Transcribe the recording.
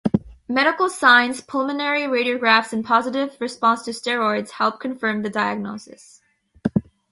Medical signs, pulmonary radiographs, and a positive response to steroids help confirm the diagnosis.